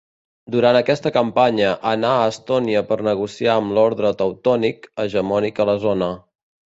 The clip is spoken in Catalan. Durant aquesta campanya, anà a Estònia per negociar amb l'Orde Teutònic, hegemònic a la zona.